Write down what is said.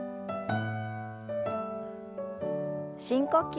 深呼吸。